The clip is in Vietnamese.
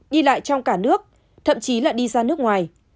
đi lại trong cả nước thậm chí là đi ra nước ngoài